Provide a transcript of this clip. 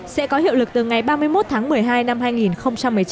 sẽ có hiệu lực từ ngày ba mươi một tháng một mươi hai năm hai nghìn một mươi chín